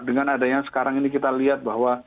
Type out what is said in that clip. dengan adanya sekarang ini kita lihat bahwa